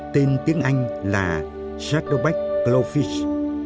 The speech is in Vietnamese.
tên tiếng anh là shutterback glowfish